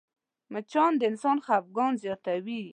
مچان د انسان خفګان زیاتوي